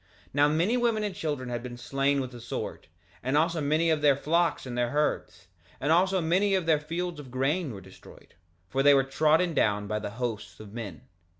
3:2 Now many women and children had been slain with the sword, and also many of their flocks and their herds; and also many of their fields of grain were destroyed, for they were trodden down by the hosts of men.